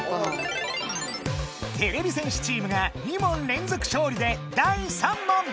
てれび戦士チームが２問れんぞく勝利で第３問！